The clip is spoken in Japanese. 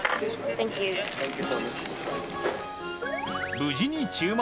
無事に注文。